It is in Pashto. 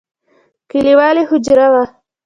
کليوالي حجره وه.